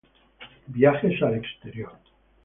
Viajes al exterior